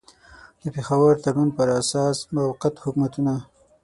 د پېښور تړون پر اساس موقت حکومتونه.